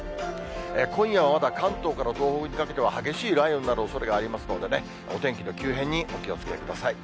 今夜はまだ関東から東北にかけては、激しい雷雨になるおそれがありますのでね、お天気の急変にお気をつけください。